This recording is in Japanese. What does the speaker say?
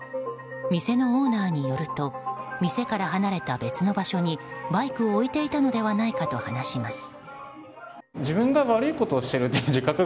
店のオーナーによると店から離れた別の場所にバイクを置いていたのではないかと話します。